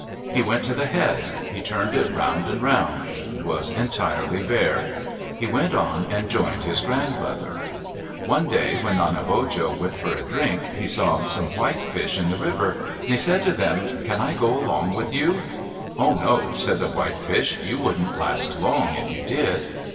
He went to the head. He turned it round and round. It was entirely bare. He went on and joined his grandmother. One day when Nanebojo went for a drink, he saw some whitefish in the river. He said to them, "Can't I go along with you?" "Oh, no," said the whitefish. "You wouldn't last long if you did."